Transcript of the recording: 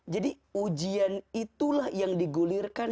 jadi ujian itulah yang digulirkan